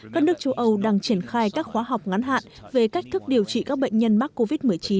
các nước châu âu đang triển khai các khóa học ngắn hạn về cách thức điều trị các bệnh nhân mắc covid một mươi chín